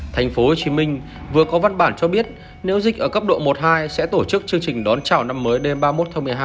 tp hcm vừa có văn bản cho biết nếu dịch ở cấp độ một hai sẽ tổ chức chương trình đón chào năm mới đêm ba mươi một tháng một mươi hai